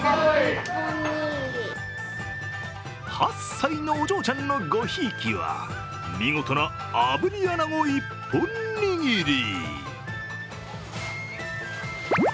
８歳のお嬢ちゃんのごひいきは見事な炙り穴子一本握り。